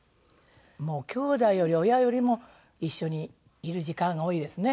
もうきょうだいより親よりも一緒にいる時間が多いですね。